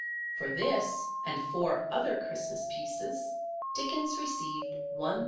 For this and four other Christmas pieces Dickens received £1,000.